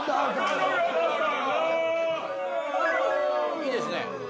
いいですね。